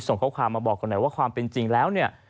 ส่งข้อความมาบอกกันหน่อยว่าความเป็นจริงแล้วเนี่ย